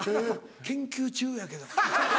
研究中やけど。